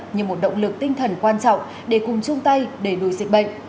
như một động lực tinh thần quan trọng để cùng chung tay đẩy lùi dịch bệnh